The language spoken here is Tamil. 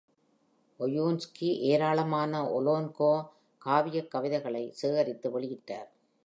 ஓயுன்ஸ்கி ஏராளமான ஓலோன்கோ காவியக் கவிதைகளை சேகரித்து வெளியிட்டார்.